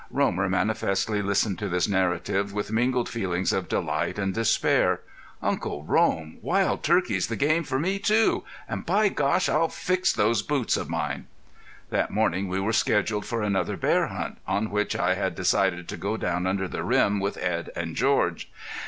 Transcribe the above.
Romer manifestly listened to this narrative with mingled feelings of delight and despair. "Uncle Rome, wild turkey's the game for me, too ... and by Gosh! I'll fix those boots of mine!" That morning we were scheduled for another bear hunt, on which I had decided to go down under the rim with Edd and George.